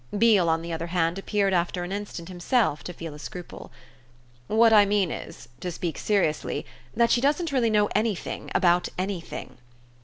Beale on the other hand appeared after an instant himself to feel a scruple. "What I mean is, to speak seriously, that she doesn't really know anything about anything."